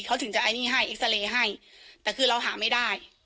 เขาถึงจะไอ้นี่ให้เอ็กซาเรย์ให้แต่คือเราหาไม่ได้